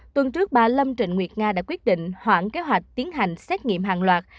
tuần trước bà lâm trịnh nguyệt nga đã quyết định hoãn kế hoạch tiến hành xét nghiệm hàng loạt